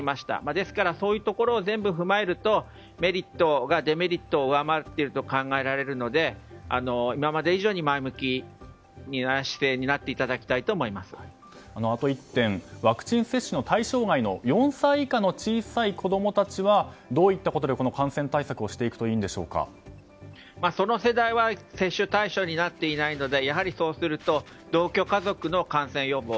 ですからそういうところを全部踏まえるとメリットがデメリットを上回っていると考えられるので今まで以上に前向きな姿勢にあと１点ワクチン接種の対象外の４歳以下の小さい子供たちはどういったことで感染対策をその世代は接種対象になっていないのでそうすると、同居家族の感染予防。